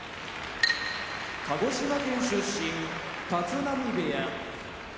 鹿児島県出身立浪部屋